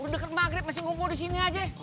dekat maghrib masih ngumpul di sini aja